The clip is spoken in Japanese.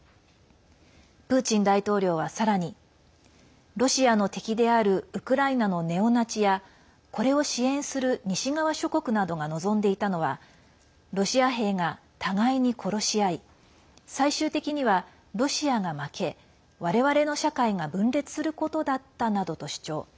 プーチン大統領は、さらにロシアの敵であるウクライナのネオナチやこれを支援する西側諸国などが望んでいたのはロシア兵が互いに殺し合い最終的にはロシアが負け我々の社会が分裂することだったなどと主張。